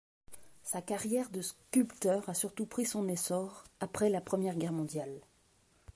Sa carrière de sculpteur a surtout pris son essor après la Première Guerre mondiale.